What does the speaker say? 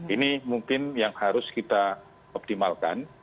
ini mungkin yang harus kita optimalkan